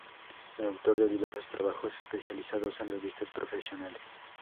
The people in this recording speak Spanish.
Autor de diversos trabajos especializados en revistas profesionales.